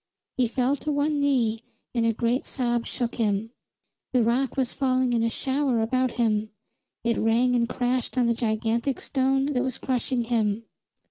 He fell to one knee, and a great sob shook him. The rock was falling in a shower about him; it rang and crashed on the gigantic stone that was crushing him.